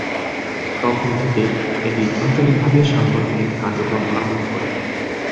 তখন থেকে এটি আঞ্চলিকভাবে সাংগঠনিক কার্যক্রম আরম্ভ করে।